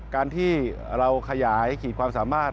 การที่เราขยายขีดความสามารถ